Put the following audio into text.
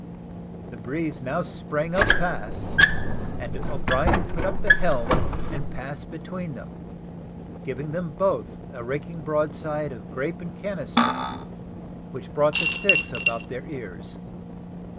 The breeze now sprang up fast, and O'Brien put up the helm and passed between them, giving them both a raking broadside of grape and cannister, which brought the sticks about their ears.